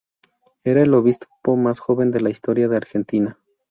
Era el obispo más joven de la historia de Argentina.